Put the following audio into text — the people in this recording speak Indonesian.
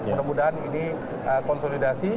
mudah mudahan ini konsolidasi